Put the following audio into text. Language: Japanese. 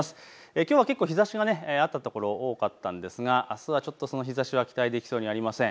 きょうは結構日ざしもあった所、多かったんですがあすはちょっとその日ざしは期待できそうにありません。